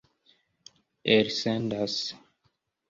elsendas